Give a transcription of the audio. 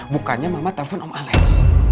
bukannya mama telepon om alex